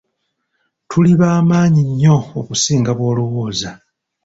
Tuli bamaanyi nnyo okusinga bw'olowooza.